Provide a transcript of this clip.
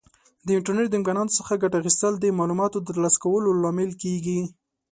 د انټرنیټ د امکاناتو څخه ګټه اخیستل د معلوماتو د ترلاسه کولو لامل کیږي.